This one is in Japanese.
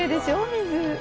水。